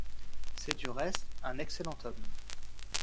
C’est du reste un excellent homme.